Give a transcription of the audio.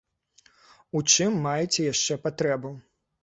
У чым маеце яшчэ патрэбу?